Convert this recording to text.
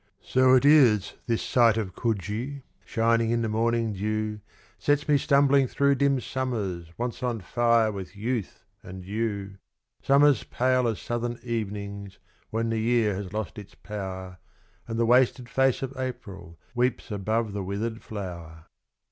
So it is this sight of Coogee, shining in the morning dew, Sets me stumbling through dim summers once on fire with youth and you Summers pale as southern evenings when the year has lost its power And the wasted face of April weeps above the withered flower.